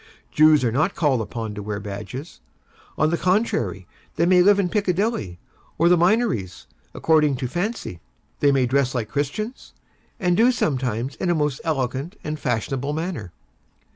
Jews are not called upon to wear badges: on the contrary, they may live in Piccadilly, or the Minories, according to fancy; they may dress like Christians, and do sometimes in a most elegant and fashionable manner.